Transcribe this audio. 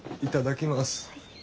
いただきます。